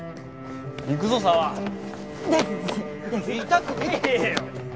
痛くねえよ。